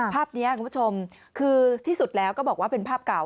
ภาพนี้คุณผู้ชมคือที่สุดแล้วก็บอกว่าเป็นภาพเก่า